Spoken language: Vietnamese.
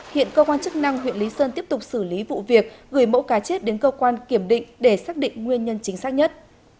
hiện cơ quan chức năng huyện lý sơn tiếp tục xử lý vụ việc gửi mẫu cá chết đến cơ quan kiểm định để xác định nguyên nhân chính xác nhất